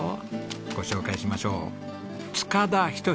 ご紹介しましょう。